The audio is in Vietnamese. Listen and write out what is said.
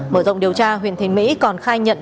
mở rộng điều tra huyện thế mỹ còn khai nhận